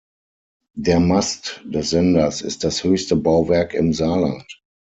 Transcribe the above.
Der Mast des Senders ist das höchste Bauwerk im Saarland.